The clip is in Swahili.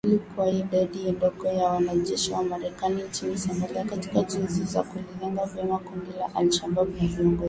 Ili kuwa na idadi ndogo ya wanajeshi wa Marekani nchini Somalia, katika juhudi za kulilenga vyema kundi la al-Shabaab na viongozi wake